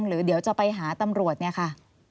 เดี๋ยวจะไปหาตำรวจเนี่ยค่ะ